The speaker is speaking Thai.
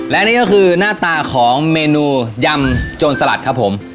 และนี่ก็คือหน้าตาของเมนูยำโจรสลัดครับผม